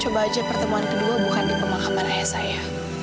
coba aja pertemuan kedua bukan di pemakaman ayah saya